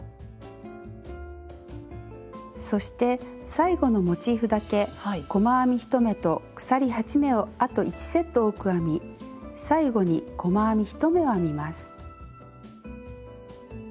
そして最後のモチーフだけ細編み１目と鎖８目をあと１セット多く編み最後に細編み１目を編みます。